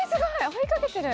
追いかけてる。